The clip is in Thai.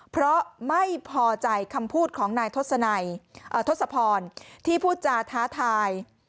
เพราะไม่พอใจคำพูดของนายทศพรที่พูดจาท้าทาย